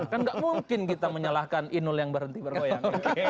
kan nggak mungkin kita menyalahkan inul yang berhenti bergoyang